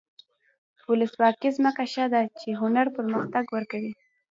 ولسواکي ځکه ښه ده چې هنر پرمختګ ورکوي.